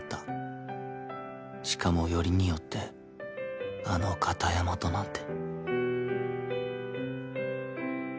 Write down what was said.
しかもよりによってあの片山となんて